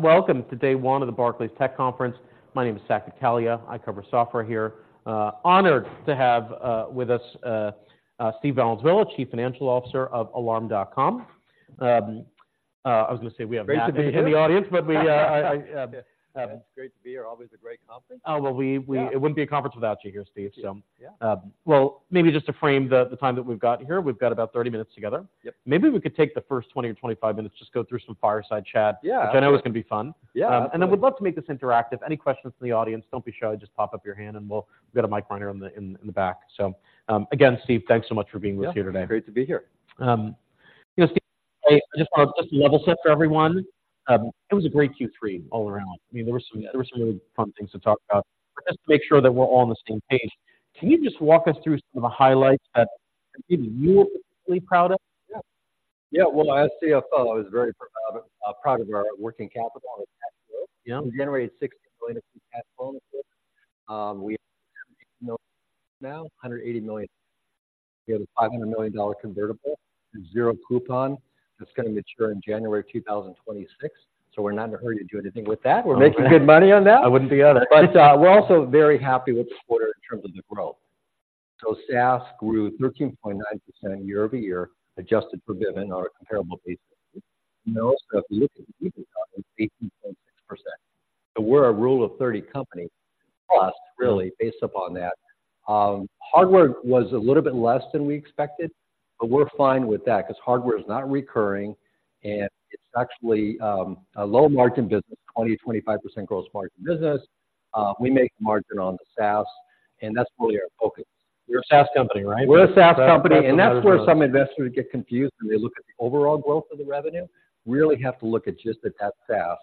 Welcome to day one of the Barclays Tech Conference. My name is Saket Kalia. I cover software here. Honored to have with us Steve Valenzuela, Chief Financial Officer of Alarm.com. I was going to say we have Matt in the audience, but we, I, It's great to be here. Always a great conference. Oh, well, we Yeah. It wouldn't be a conference without you here, Steve, so. Yeah. Well, maybe just to frame the time that we've got here, we've got about 30 minutes together. Yep. Maybe we could take the first 20 or 25 minutes, just go through some fireside chat. Yeah. Which I know is going to be fun. Yeah. And I would love to make this interactive. Any questions from the audience, don't be shy, just pop up your hand and we've got a mic runner on the, in the back. So, again, Steve, thanks so much for being with us here today. Yeah, great to be here. You know, Steve, I just want to just level set for everyone. It was a great Q3 all around. I mean, there were some really fun things to talk about. But just to make sure that we're all on the same page, can you just walk us through some of the highlights that maybe you're really proud of? Yeah. Yeah, well, as Chief Financial Officer, I was very proud of our working capital and our cash flow. Yeah. We generated $60 million in cash bonuses. We have $8 million now, $180 million. We have a $500 million convertible, and zero coupon that's going to mature in January 2026, so we're not in a hurry to do anything with that. We're making good money on that. I wouldn't be honest. But, we're also very happy with the quarter in terms of the growth. So SaaS grew 13.9% year-over-year, adjusted for Vivint on a comparable basis. You know, so if you look at 18.6%. So we're a rule of 30 company plus really based upon that. Hardware was a little bit less than we expected, but we're fine with that because hardware is not recurring, and it's actually a low-margin business, 20% to 25% gross margin business. We make the margin on the SaaS, and that's really our focus. You're a SaaS company, right? We're a SaaS company, and that's where some investors get confused when they look at the overall growth of the revenue. Really have to look at just it at SaaS.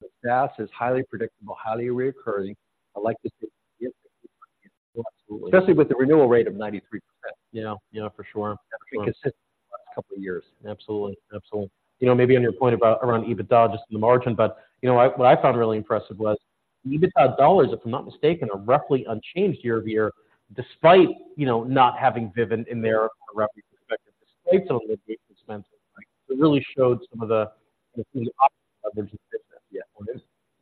The SaaS is highly predictable, highly recurring. I like to say- Absolutely. Especially with the renewal rate of 93%. Yeah. Yeah, for sure. It's been consistent the last couple of years. Absolutely. Absolutely. You know, maybe on your point about around EBITDA, just in the margin, but, you know, what, what I found really impressive was the EBITDA dollars, if I'm not mistaken, are roughly unchanged year-over-year, despite, you know, not having Vivint in there from a revenue perspective. It's based on the expenses. It really showed some of the operating leverage in business. Yeah.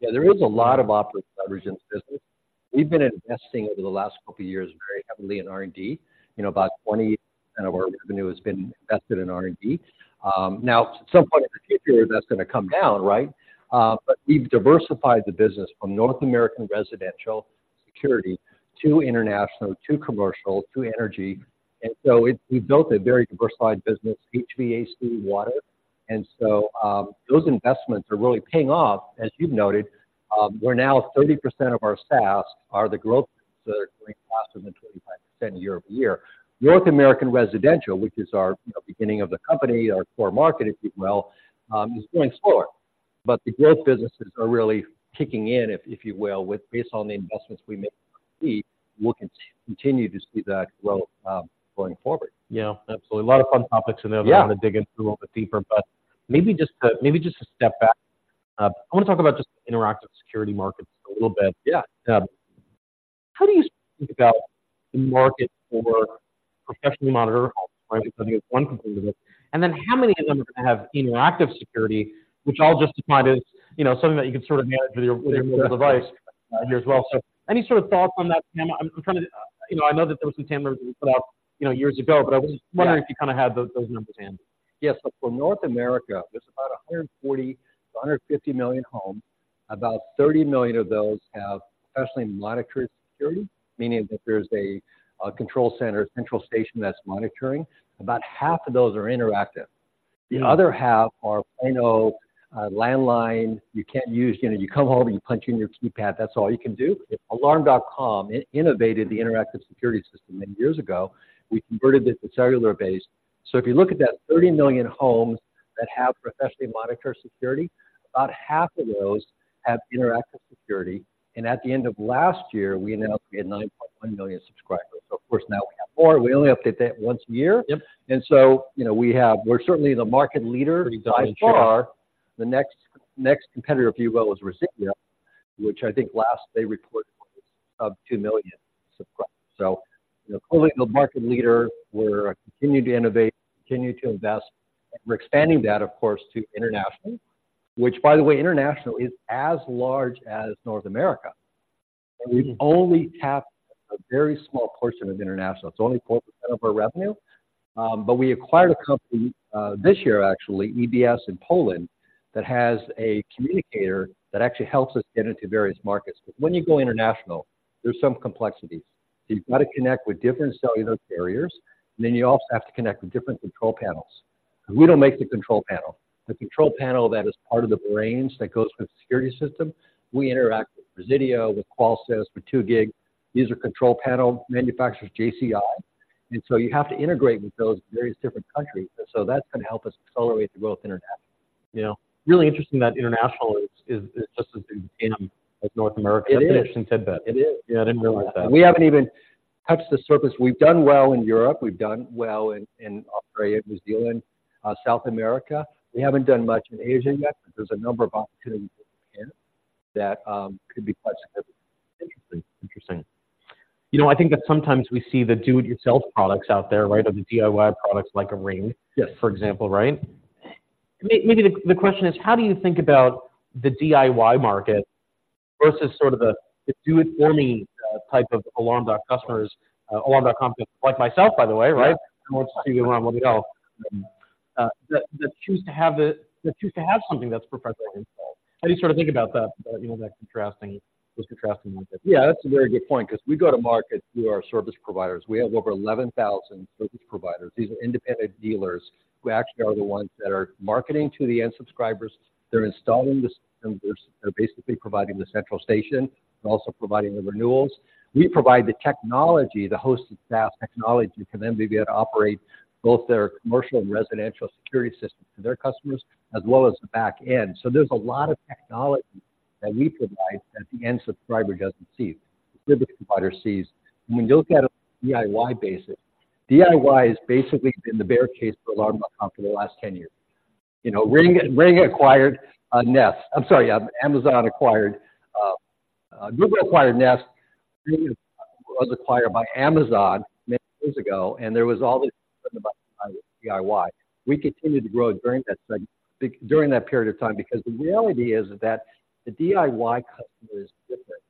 Yeah, there is a lot of operating leverage in this business. We've been investing over the last couple of years very heavily in R&D. You know, about 20% of our revenue has been invested in R&D. Now, at some point in particular, that's going to come down, right? But we've diversified the business from North American residential security to international, to commercial, to energy, and so we've built a very diversified business, HVAC, water. And so, those investments are really paying off, as you've noted. We're now 30% of our SaaS are the growth rates that are growing faster than 25% year-over-year. North American residential, which is our, you know, beginning of the company, our core market, if you will, is growing slower. But the growth businesses are really kicking in, if you will, with based on the investments we make. We will continue to see that growth going forward. Yeah, absolutely. A lot of fun topics in there- Yeah I'm gonna dig in a little bit deeper, but maybe just to, maybe just to step back. I want to talk about just interactive security markets a little bit. Yeah. How do you think about the market for professional monitor, right? Because I think it's one component of it. And then how many of them are going to have interactive security, which I'll just define as, you know, something that you can sort of manage with your, with your mobile device here as well. So any sort of thoughts on that, TAM? I'm trying to... You know, I know that there was some numbers that we put out, you know, years ago, but I was just wondering- Yeah If you kind of had those, those numbers handy. Yes. So for North America, there's about 140 to 150 million homes. About 30 million of those have professionally monitored security, meaning that there's a control center, central station that's monitoring. About half of those are interactive. Yeah. The other half are plain old landline, you can't use... You know, you come home, and you punch in your keypad, that's all you can do. Alarm.com innovated the interactive security system many years ago. We converted it to cellular-based. So if you look at that 30 million homes that have professionally monitored security, about half of those have interactive security, and at the end of last year, we announced we had 9.1 million subscribers. So of course, now we have more. We only update that once a year. Yep. You know, we're certainly the market leader by far. Pretty darn sure. The next, next competitor, if you will, is Resideo, which I think last they reported of 2 million subscribers. So you know, clearly, the market leader, we're continuing to innovate, continuing to invest, and we're expanding that, of course, to international, which, by the way, international is as large as North America. Mm-hmm. We've only tapped a very small portion of international. It's only 4% of our revenue, but we acquired a company, this year, actually, EBS in Poland, that has a communicator that actually helps us get into various markets. When you go international, there's some complexities. You've got to connect with different cellular carriers, and then you also have to connect with different control panels. We don't make the control panel. The control panel that is part of the brains that goes with the security system, we interact with Resideo, with Qolsys, with 2GIG. These are control panel manufacturers, JCI. You have to integrate with those various different countries, and that's going to help us accelerate the growth internationally. Yeah. Really interesting that international is just as big as North America. It is. Interesting tidbit. It is. Yeah, I didn't realize that. We haven't even touched the surface. We've done well in Europe, we've done well in Australia, New Zealand, South America. We haven't done much in Asia yet, but there's a number of opportunities in that could be quite significant. Interesting. Interesting... You know, I think that sometimes we see the do-it-yourself products out there, right? Or the DIY products like a Ring- Yes. For example, right? Maybe the question is, how do you think about the DIY market versus sort of the do it for me type of Alarm.com customers, Alarm.com, like myself, by the way, right? Yeah. I want to see the Alarm.com that choose to have something that's professionally installed. How do you sort of think about that, you know, that contrasting, those contrasting with it? Yeah, that's a very good point, 'cause we go to market through our service providers. We have over 11,000 service providers. These are independent dealers who actually are the ones that are marketing to the end subscribers. They're installing the system, they're basically providing the central station and also providing the renewals. We provide the technology, the hosted SaaS technology, for them to be able to operate both their commercial and residential security systems to their customers, as well as the back end. So there's a lot of technology that we provide that the end subscriber doesn't see, the service provider sees. When you look at a DIY basis, DIY has basically been the bear case for Alarm.com for the last 10 years. You know, Ring, Ring acquired, Nest... I'm sorry, Amazon acquired, Google acquired Nest, Ring was acquired by Amazon many years ago, and there was all this about DIY. We continued to grow during that period of time, because the reality is that the DIY customer is different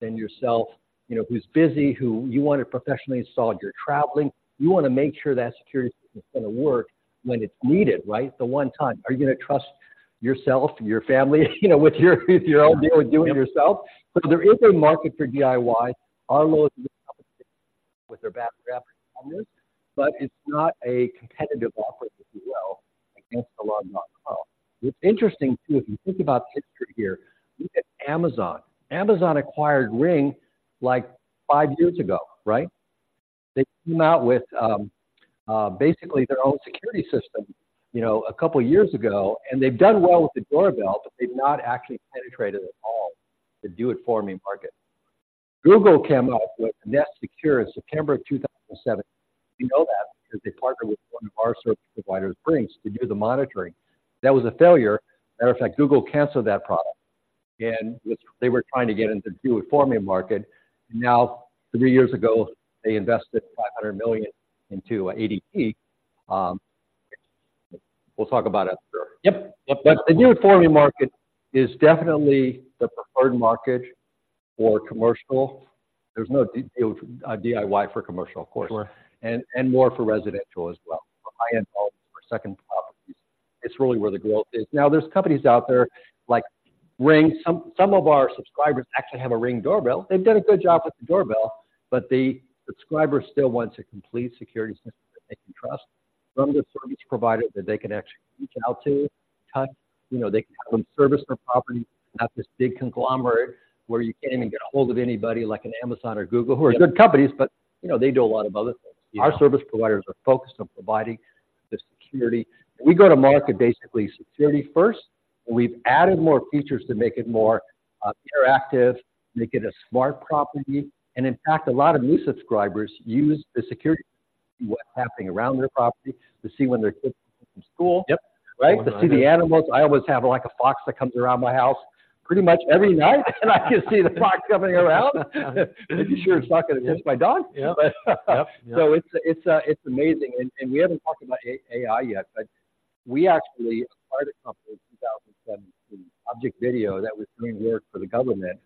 than yourself, you know, who's busy, who you want it professionally installed, you're traveling. You want to make sure that security system is going to work when it's needed, right? The one time. Are you going to trust yourself, your family, you know, with your, with your own doing it yourself? Yep. There is a market for DIY. Arlo with their battery-powered cameras, but it's not a competitive offer, if you will, against Alarm.com. It's interesting, too, if you think about the history here, look at Amazon. Amazon acquired Ring like five years ago, right? They came out with basically their own security system, you know, a couple of years ago, and they've done well with the doorbell, but they've not actually penetrated at all the do it for me market. Google came out with Nest Secure in September 2007. We know that because they partnered with one of our service providers, Ring, to do the monitoring. That was a failure. Matter of fact, Google canceled that product, and they were trying to get into the do it for me market. Now, three years ago, they invested $500 million into ADT. We'll talk about it. Yep. The do it for me market is definitely the preferred market for commercial. There's no, you know, DIY for commercial, of course. Sure. And more for residential as well, for high-end homes or second properties. It's really where the growth is. Now, there's companies out there like Ring. Some of our subscribers actually have a Ring doorbell. They've done a good job with the doorbell, but the subscriber still wants a complete security system that they can trust from the service provider that they can actually reach out to, touch. You know, they can have them service their property, not this big conglomerate where you can't even get a hold of anybody like an Amazon or Google, who are good companies, but, you know, they do a lot of other things. Yeah. Our service providers are focused on providing the security. We go to market, basically, security first, and we've added more features to make it more, interactive, make it a smart property. And in fact, a lot of new subscribers use the security, what's happening around their property, to see when their kids get from school. Yep. Right? Yeah. To see the animals. I always have, like, a fox that comes around my house pretty much every night, and I can see the fox coming around. Make sure it's not going to touch my dog. Yeah. But, Yep. Yep. So it's amazing. And we haven't talked about AI yet, but we actually acquired a company in 2007, ObjectVideo, that was doing work for the government,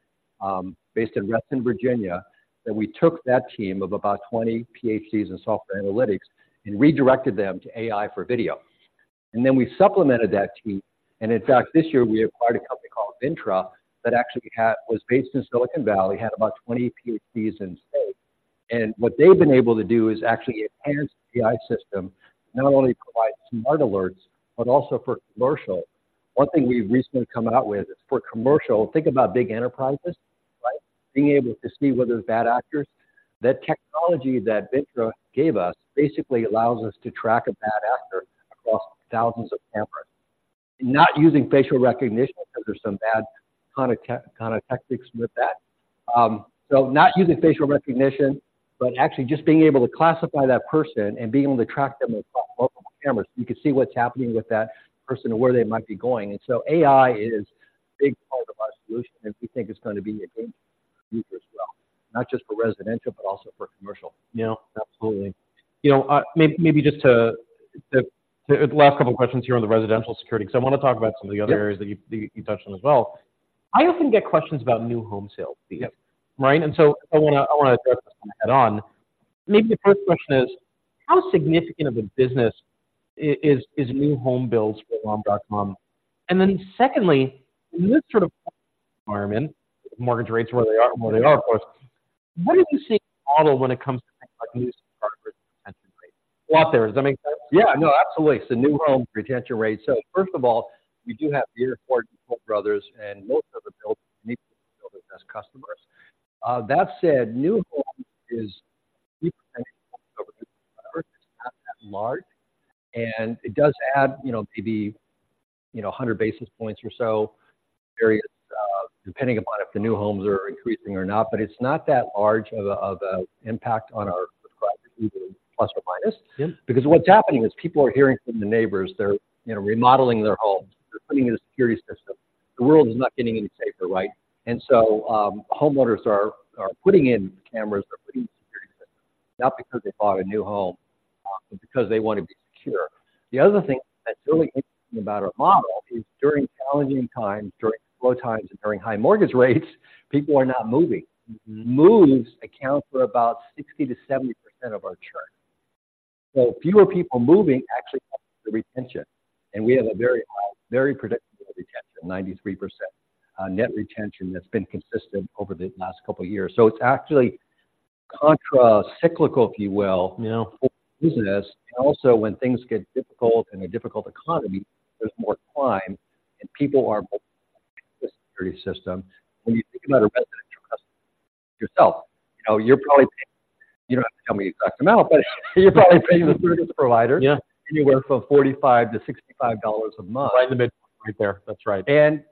based in Reston, Virginia, that we took that team of about 20 PhDs in software analytics and redirected them to AI for video. And then we supplemented that team, and in fact, this year we acquired a company called Vintra, that actually had was based in Silicon Valley, had about 20 PhDs in AI. And what they've been able to do is actually enhance the AI system, not only provide smart alerts, but also for commercial. One thing we've recently come out with is for commercial, think about big enterprises, right? Being able to see whether there's bad actors. The technology that Vintra gave us basically allows us to track a bad actor across thousands of cameras. Not using facial recognition, because there's some bad kind of tactics with that. So not using facial recognition, but actually just being able to classify that person and being able to track them across multiple cameras. You can see what's happening with that person and where they might be going. And so AI is a big part of our solution, and we think it's going to be a game changer as well, not just for residential, but also for commercial. Yeah, absolutely. You know, maybe just to the last couple of questions here on the residential security, because I want to talk about some of the other areas- Yep. -that you, you touched on as well. I often get questions about new home sales. Yep. Right? And so I want to address this head-on. Maybe the first question is: How significant of a business is new home builds for Alarm.com? And then secondly, in this sort of environment, mortgage rates where they are, of course, what did you see model when it comes to things like new retention rates out there? Does that make sense? Yeah, no, absolutely. It's a new home retention rate. So first of all, we do have Beazer Homes, and most of the builders as customers. That said, new home is over the years, it's not that large, and it does add, you know, maybe, you know, 100 basis points or so various, depending upon if the new homes are increasing or not, but it's not that large of an impact on our growth plus or minus. Yeah. Because what's happening is people are hearing from the neighbors, they're, you know, remodeling their homes, they're putting in a security system. The world is not getting any safer, right? And so, homeowners are putting in cameras, they're putting in security systems, not because they bought a new home, but because they want to be secure. The other thing that's really interesting about our model is during challenging times, during slow times and during high mortgage rates, people are not moving. Moves account for about 60% to 70% of our churn. So fewer people moving actually helps the retention, and we have a very high, very predictable retention, 93%, net retention that's been consistent over the last couple of years. So it's actually contra-cyclical, if you will- Yeah -for business. And also when things get difficult in a difficult economy, there's more crime, and people are buying the security system. When you think about a residential customer yourself, you know, you're probably paying—you don't have to tell me the exact amount, but you're probably paying the service provider- Yeah Anywhere from $45 to $65 a month. Right in the mid, right there. That's right. And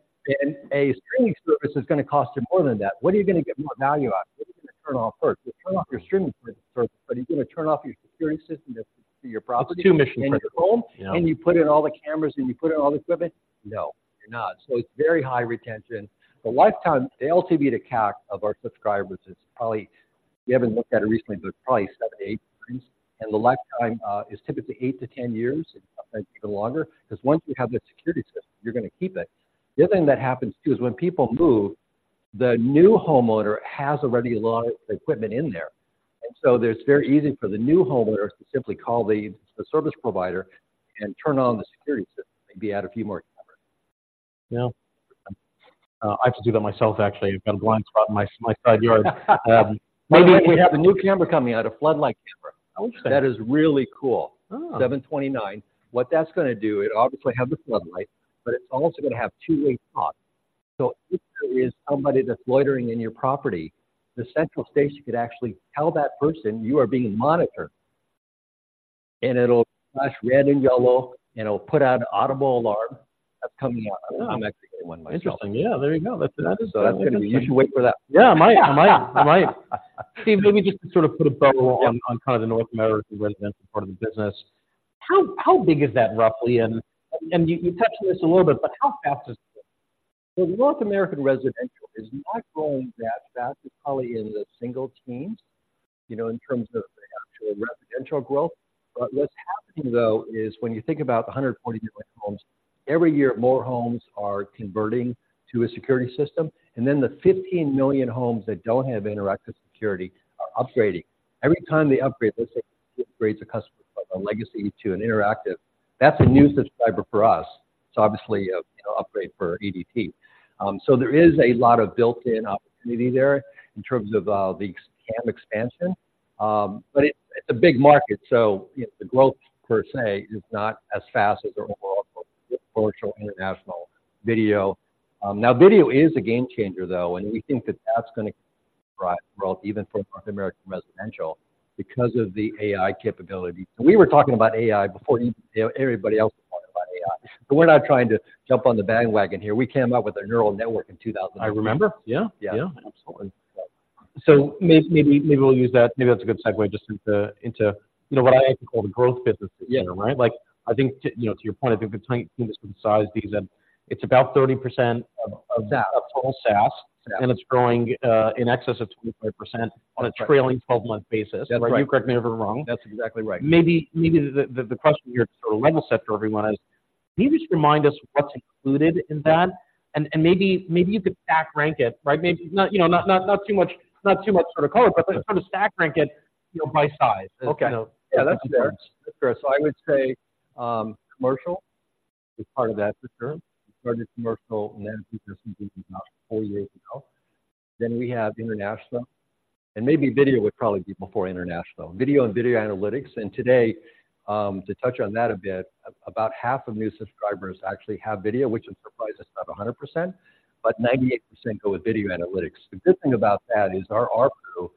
a streaming service is gonna cost you more than that. What are you gonna get more value out of? What are you gonna turn off first? You'll turn off your streaming service, but are you gonna turn off your security system to your property- It's two mission critical. and your home? Yeah. And you put in all the cameras, and you put in all the equipment? No, you're not. So it's very high retention. The lifetime, the LTV to CAC of our subscribers is probably, we haven't looked at it recently, but probably seven to eight years. And the lifetime is typically eight to 10 years, sometimes even longer, because once you have the security system, you're gonna keep it. The other thing that happens, too, is when people move, the new homeowner has already a lot of the equipment in there, and so it's very easy for the new homeowner to simply call the service provider and turn on the security system, maybe add a few more cameras. Yeah. I have to do that myself, actually. I've got a blind spot in my, my side yard. We have a new camera coming out, a floodlight camera. Oh, interesting. That is really cool. Oh. V729. What that's gonna do, it obviously have the floodlight, but it's also gonna have two-way talk. So if there is somebody that's loitering in your property, the central station could actually tell that person, "You are being monitored," and it'll flash red and blue, and it'll put out an audible alarm. That's coming out. Oh. I'm actually getting one myself. Interesting. Yeah, there you go. That's interesting. You should wait for that. Yeah, I might. I might, I might. Steve, let me just sort of put a bow on- Yeah On kind of the North American residential part of the business. How big is that, roughly? And you touched on this a little bit, but how fast is it? The North American residential is not growing that fast. It's probably in the single teens, you know, in terms of the actual residential growth. But what's happening, though, is when you think about the 140 million homes, every year, more homes are converting to a security system, and then the 15 million homes that don't have interactive security are upgrading. Every time they upgrade, let's say, upgrades a customer from a legacy to an interactive, that's a new subscriber for us. It's obviously a, you know, upgrade for ADT. So there is a lot of built-in opportunity there in terms of, the cam expansion. But it, it's a big market, so, you know, the growth per se is not as fast as our overall commercial, international video. Now, video is a game changer, though, and we think that that's gonna drive growth even for North American residential because of the AI capabilities. We were talking about AI before everybody else was talking about AI. But we're not trying to jump on the bandwagon here. We came out with a neural network in 2008. I remember. Yeah. Yeah. Yeah, absolutely. So maybe we'll use that. Maybe that's a good segue just into, you know, what I like to call the growth businesses. Yeah. Right? Like, I think to, you know, to your point, I think we've sized these, and it's about 30% of- Yeah of total SaaS Yeah... and it's growing, in excess of 25%- Correct on a trailing twelve-month basis. That's right. You correct me if I'm wrong. That's exactly right. Maybe the question here to sort of level set for everyone is, can you just remind us what's included in that? And maybe you could stack rank it, right? Maybe not, you know, not too much sort of color, but sort of stack rank it, you know, by size. Okay. You know? Yeah, that's fair. That's fair. So I would say, commercial is part of that picture. We started commercial and energy business about four years ago. Then we have international, and maybe video would probably be before international. Video and video analytics, and today, to touch on that a bit, about half of new subscribers actually have video, which would surprise us, about 100%, but 98% go with video analytics. The good thing about that is our ARPU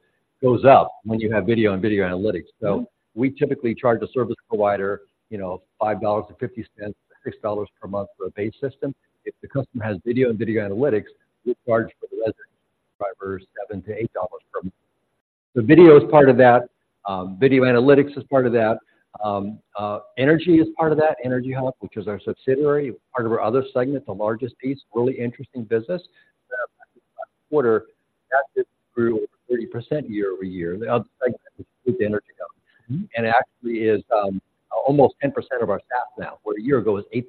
goes up when you have video and video analytics. So we typically charge a service provider, you know, $5.50 to $6 per month for a base system. If the customer has video and video analytics, we charge the resident subscribers $7 to $8 per month. So video is part of that, video analytics is part of that, energy is part of that. EnergyHub, which is our subsidiary, part of our other segment, the largest piece, really interesting business. The last quarter, that business grew 30% year-over-year. The other segment was EnergyHub. It actually is almost 10% of our staff now, where a year ago, it was 8%.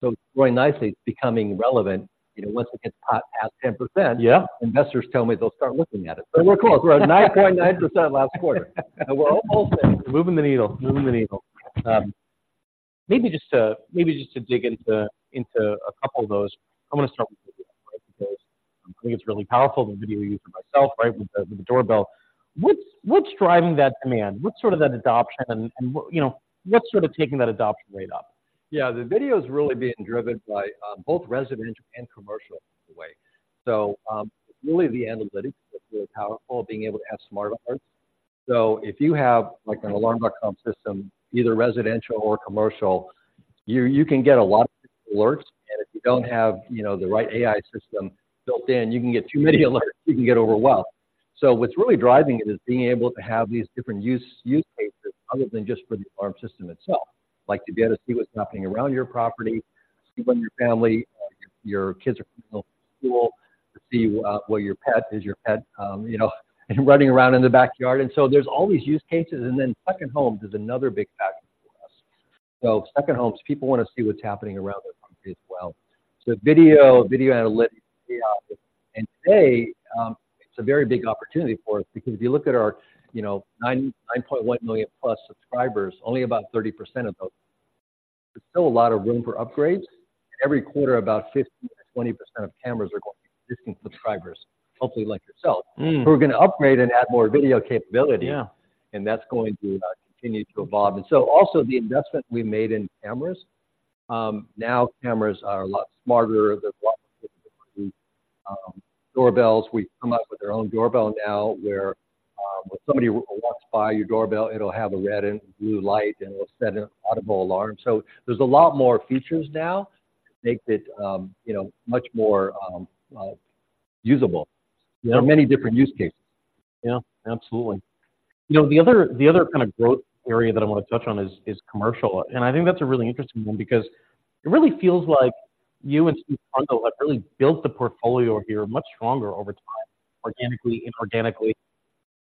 So it's growing nicely. It's becoming relevant. You know, once it gets past 10%- Yeah... investors tell me they'll start looking at it. We're cool. We're at 9.9% last quarter. We're all set. Moving the needle. Moving the needle. Maybe just to dig into a couple of those, I'm gonna start with video, because I think it's really powerful, the video I use myself, right, with the doorbell. What's driving that demand? What's sort of that adoption, and what... You know, what's sort of taking that adoption rate up? Yeah, the video is really being driven by both residential and commercial, by the way. So, really the analytics is really powerful, being able to have smart alerts. So if you have, like, an Alarm.com system, either residential or commercial, you can get a lot of alerts. If you don't have, you know, the right AI system built in, you can get too many alerts, you can get overwhelmed. So what's really driving it is being able to have these different use cases other than just for the alarm system itself. Like, to be able to see what's happening around your property, see when your family your kids are coming home from school, to see where your pet is, you know, running around in the backyard. So there's all these use cases, and then second homes is another big factor for us. So second homes, people want to see what's happening around their property as well. So video, video analytics, AI, and today, it's a very big opportunity for us because if you look at our, you know, 99.1 million plus subscribers, only about 30% of those. There's still a lot of room for upgrades, and every quarter, about 15% to 20% of cameras are going to existing subscribers, hopefully like yourself- Who are going to upgrade and add more video capability. Yeah. And that's going to continue to evolve. And so also the investment we made in cameras, now cameras are a lot smarter. They're watching doorbells. We've come up with our own doorbell now, where when somebody walks by your doorbell, it'll have a red and blue light, and it'll set an audible alarm. So there's a lot more features now to make it, you know, much more usable. Yeah. There are many different use cases. Yeah, absolutely. You know, the other kind of growth area that I want to touch on is commercial, and I think that's a really interesting one because it really feels like you and Steve Valenzuela have really built the portfolio here much stronger over time, organically and inorganically.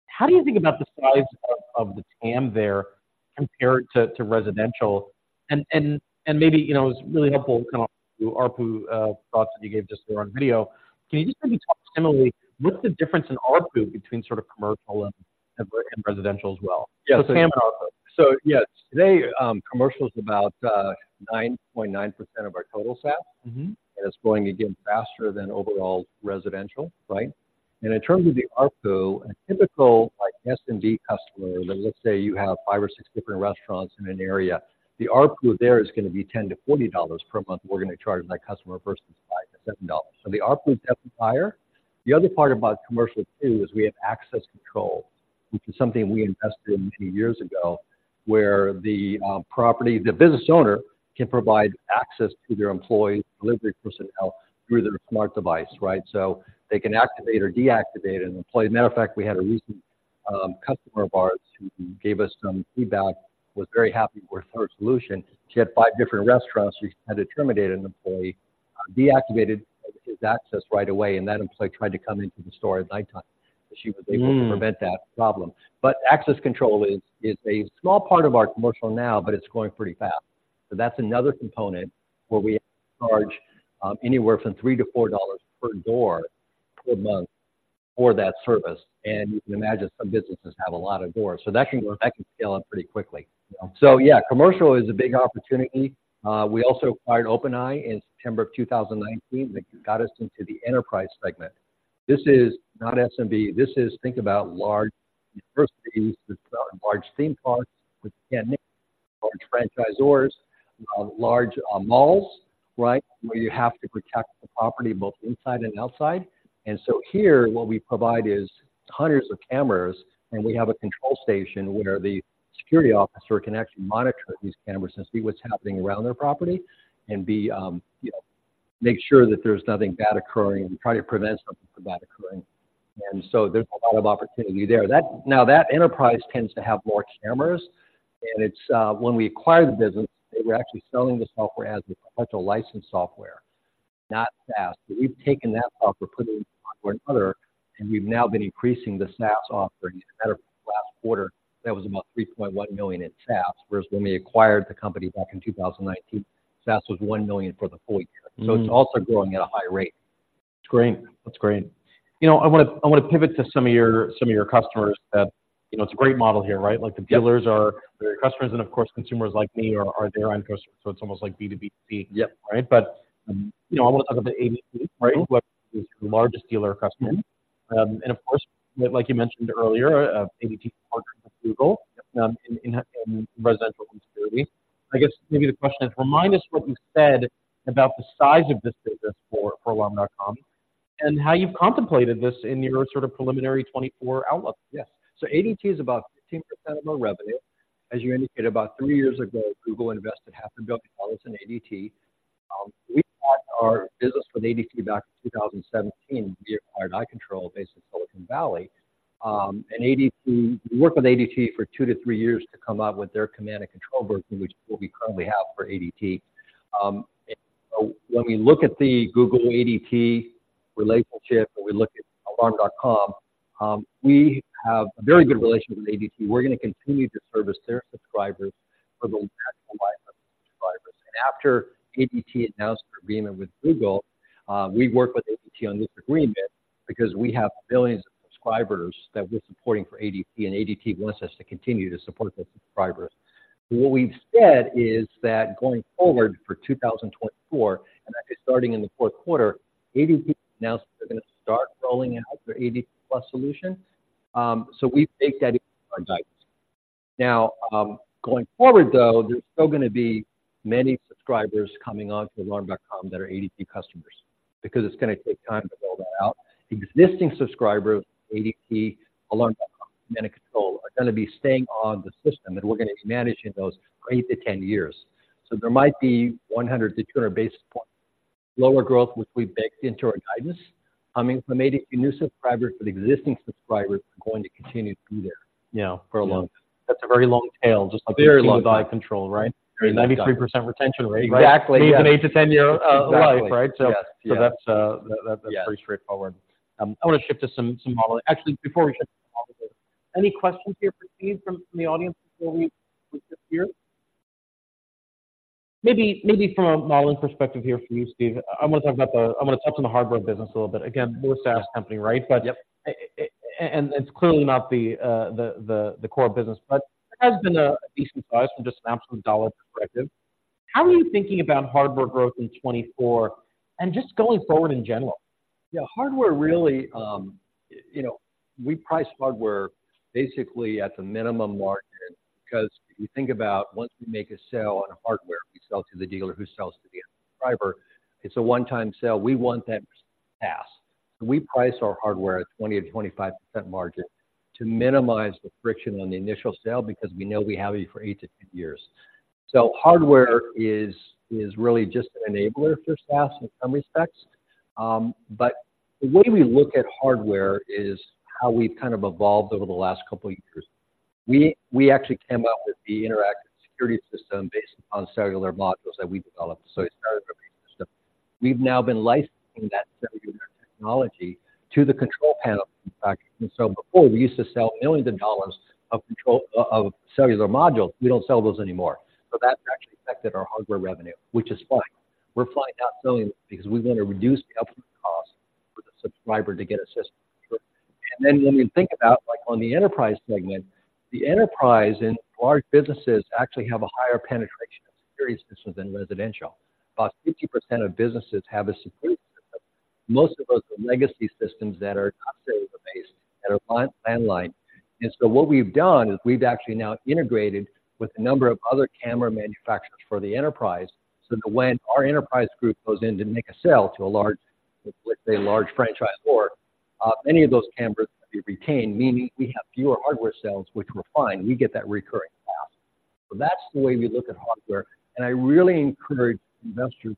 How do you think about the size of the TAM there compared to residential? And maybe, you know, it's really helpful to kind of ARPU thoughts that you gave just there on video. Can you just maybe talk similarly, what's the difference in ARPU between sort of commercial and residential as well? Yeah. So TAM, ARPU. So yes, today, commercial is about 9.9% of our total SaaS. It's growing again, faster than overall residential, right? In terms of the ARPU, a typical, like, SMB customer, let's say you have five or six different restaurants in an area, the ARPU there is going to be $10-$40 per month, we're going to charge that customer versus $5 to $7. So the ARPU is definitely higher. The other part about commercial, too, is we have access control, which is something we invested in many years ago, where the property, the business owner can provide access to their employees, delivery personnel, through their smart device, right? So they can activate or deactivate an employee. Matter of fact, we had a recent customer of ours who gave us some feedback, was very happy with our solution. She had five different restaurants. She had to terminate an employee, deactivated his access right away, and that employee tried to come into the store at nighttime- And she was able to prevent that problem. But access control is a small part of our commercial now, but it's growing pretty fast. So that's another component where we charge anywhere from $3 to $4 per door per month for that service, and you can imagine some businesses have a lot of doors, so that can grow, that can scale up pretty quickly. Yeah. So yeah, commercial is a big opportunity. We also acquired OpenEye in September of 2019. That got us into the enterprise segment. This is not SMB. This is, think about large universities, large theme parks with large franchisors, large malls, right? Where you have to protect the property both inside and outside. And so here, what we provide is hundreds of cameras, and we have a control station where the security officer can actually monitor these cameras and see what's happening around their property and be, you know, make sure that there's nothing bad occurring and try to prevent something from bad occurring. And so there's a lot of opportunity there. That now, that enterprise tends to have more cameras, and it's, when we acquired the business, they were actually selling the software as a potential licensed software, not SaaS. We've taken that software, put it into one or another, and we've now been increasing the SaaS offering. Last quarter, that was about $3.1 million in SaaS, whereas when we acquired the company back in 2019, SaaS was $1 million for the full year. It's also growing at a high rate. That's great. That's great. You know, I want to, I want to pivot to some of your, some of your customers that, you know, it's a great model here, right? Yeah. Like, the dealers are your customers, and of course, consumers like me are their end customers, so it's almost like B2B2C. Yep. Right? But, you know, I want to talk about the ADT, right? Who is your largest dealer or customer? Of course, like you mentioned earlier, ADT partnered with Google- Yep... in residential security. I guess maybe the question is, remind us what you said about the size of this business for Alarm.com and how you've contemplated this in your sort of preliminary 2024 outlook. Yes. So ADT is about 15% of our revenue. As you indicated, about three years ago, Google invested $500 million in ADT. We started our business with ADT back in 2017. We acquired iControl, based in Silicon Valley. And ADT, we worked with ADT for two to three years to come up with their command and control version, which is what we currently have for ADT. When we look at the Google-ADT relationship, when we look at Alarm.com, we have a very good relationship with ADT. We're going to continue to service their subscribers for the natural life of the subscribers. And after ADT announced their agreement with Google, we worked with ADT on this agreement because we have billions of subscribers that we're supporting for ADT, and ADT wants us to continue to support those subscribers. What we've said is that going forward, for 2024, and actually starting in the fourth quarter, ADT announced they're going to start rolling out their ADT Plus solution. So we've baked that into our guidance. Now, going forward, though, there's still going to be many subscribers coming onto Alarm.com that are ADT customers, because it's going to take time to roll that out. Existing subscribers, ADT Command, are going to be staying on the system, and we're going to be managing those for 8-10 years. So there might be 100-200 basis point lower growth, which we baked into our guidance. Coming from maybe new subscribers, but existing subscribers are going to continue to be there. Yeah. For a long time. That's a very long tail, just- Very long tail. Control, right? Very. 93% retention rate. Exactly, yeah. With an 8-10-year life, right? Yes, yes. So that's, that's pretty straightforward. Yes. I want to shift to some modeling. Actually, before we shift to modeling, any questions here for Steve from the audience before we start here? Maybe from a modeling perspective here for you, Steve, I want to touch on the hardware business a little bit. Again, we're a SaaS company, right? Yep. It's clearly not the core business, but it has been a decent size from just an absolute dollar perspective. How are you thinking about hardware growth in 2024, and just going forward in general? Yeah, hardware, really, you know, we price hardware basically at the minimum margin, because we think about once we make a sale on a hardware, we sell to the dealer who sells to the end subscriber. It's a one-time sale. We want that to pass. We price our hardware at 20% to 25% margin to minimize the friction on the initial sale because we know we have you for 8-10 years. So hardware is, is really just an enabler for SaaS in some respects. But the way we look at hardware is how we've kind of evolved over the last couple of years. We, we actually came out with the interactive security system based on cellular modules that we developed, so it's not a system. We've now been licensing that cellular technology to the control panel. So before, we used to sell $ millions of control of cellular modules. We don't sell those anymore. So that's actually affected our hardware revenue, which is fine. We're fine not selling, because we want to reduce the upfront cost for the subscriber to get a system. Then when we think about, like on the enterprise segment, the enterprise and large businesses actually have a higher penetration of security systems than residential. About 50% of businesses have a security system. Most of those are legacy systems that are not cellular-based and are on landline. And so what we've done is we've actually now integrated with a number of other camera manufacturers for the enterprise, so that when our enterprise group goes in to make a sale to a large, let's say, a large franchise or, many of those cameras will be retained, meaning we have fewer hardware sales, which we're fine. We get that recurring cost. So that's the way we look at hardware, and I really encourage investors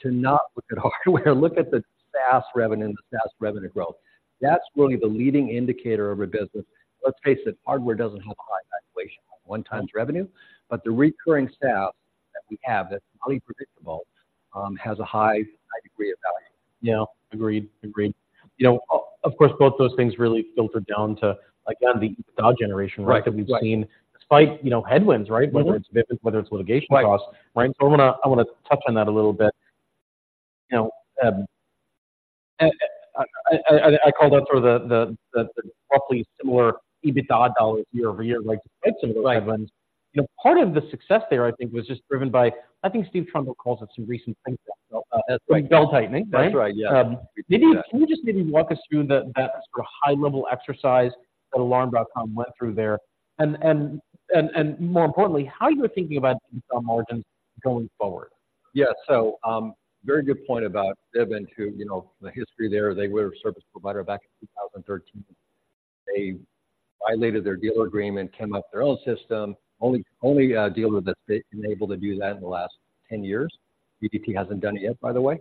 to not look at hardware, look at the SaaS revenue and the SaaS revenue growth. That's really the leading indicator of a business. Let's face it, hardware doesn't have a high valuation, 1x revenue, but the recurring SaaS that we have, that's highly predictable, has a high, high degree of valuation. Yeah. Agreed. Agreed. You know, of course, both those things really filter down to, again, the dollar generation- Right -that we've seen, despite, you know, headwinds, right? Whether it's litigation costs. Right. Right. So I want to touch on that a little bit. You know, and I call that sort of the roughly similar EBITDA dollars year-over-year, like similar. Right. You know, part of the success there, I think, was just driven by... I think Steve Trundle calls it some recent things. That's right. Bell tightening, right? That's right, yeah. Maybe can you just maybe walk us through that sort of high-level exercise that Alarm.com went through there, and more importantly, how you're thinking about EBITDA margins going forward? Yeah. So, very good point about Vivint, who, you know, the history there, they were a service provider back in 2013. They violated their dealer agreement, came up with their own system. Only, only, dealer that's been able to do that in the last 10 years. ADT hasn't done it yet, by the way.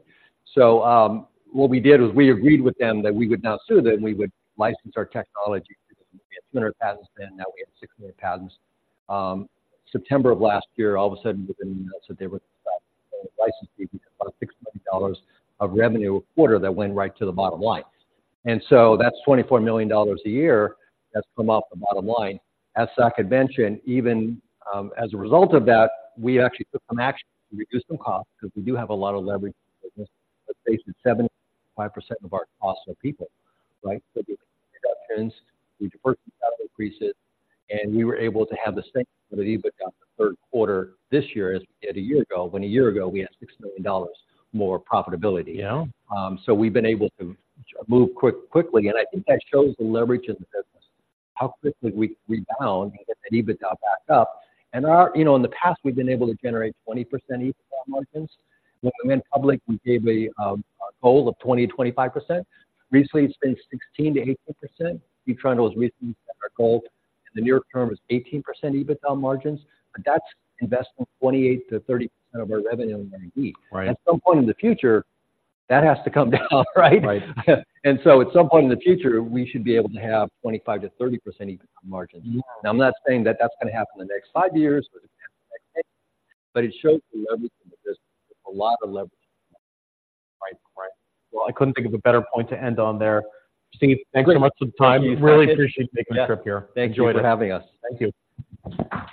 So, what we did was we agreed with them that we would not sue them, we would license our technology. We had 200 patents then, now we have 600 patents. September of last year, all of a sudden, we got the emails that they would license about $6 million of revenue a quarter that went right to the bottom line. And so that's $24 million a year that's come off the bottom line. As Saket mentioned, even as a result of that, we actually took some action to reduce some costs because we do have a lot of leverage in the business, but basically 75% of our costs are people, right? So reductions, we decreased increases, and we were able to have the same EBITDA the third quarter this year as we did a year ago, when a year ago, we had $6 million more profitability. Yeah. So we've been able to move quickly, and I think that shows the leverage in the business, how quickly we rebound and EBITDA back up. You know, in the past, we've been able to generate 20% EBITDA margins. When we went public, we gave a goal of 20% to 25%. Recently, it's been 16%to 18%. Trundle's recent goals, and the near term is 18% EBITDA margins, but that's investing 28%to 30% of our revenue in R&D. Right. At some point in the future, that has to come down, right? Right. At some point in the future, we should be able to have 25% to 30% EBITDA margins. Now, I'm not saying that that's going to happen in the next five years, but it shows the leverage in the business. There's a lot of leverage. Right? Right. Well, I couldn't think of a better point to end on there. Steve, thank you so much for the time. Thank you. Really appreciate you taking the trip here. Thank you for having us. Thank you.